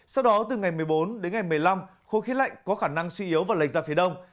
sau đó từ ngày một mươi bốn đến ngày một mươi năm khối khí lạnh có khả năng suy yếu và lệch ra phía đông